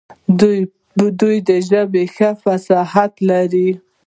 دوهم د ژبې ښه فصاحت لري.